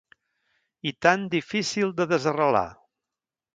I tan difícil de desarrelar